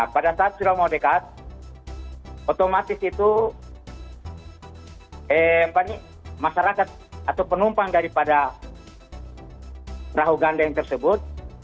pada saat sudah mau dekat otomatis itu masyarakat atau penumpang daripada perahu gandeng tersebut